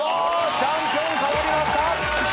チャンピオン替わりました。